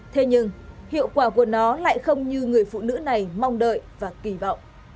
thế nhưng hiệu quả của nó lại không như người phụ nữ này mong đợi và kỳ vọng